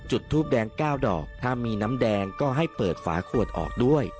ทูบแดง๙ดอกถ้ามีน้ำแดงก็ให้เปิดฝาขวดออกด้วย